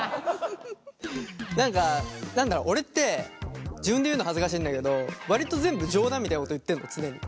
何か何だろ俺って自分で言うの恥ずかしいんだけど割と全部冗談みたいなこと言ってんの常に。